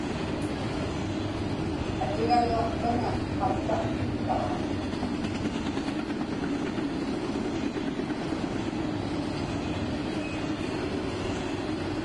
Atigaluaqtaŋa mattaqtittaġa.